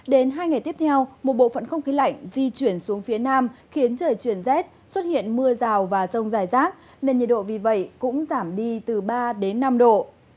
đến hai ngày tiếp theo một bộ phận không khí lạnh di chuyển xuống phía nam khiến trời chuyển rét xuất hiện mưa rào và rông dài rác nên nhiệt độ vì vậy cũng giảm đi từ ba đến năm độ